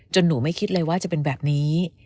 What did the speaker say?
หนูไม่คิดเลยว่าจะเป็นแบบนี้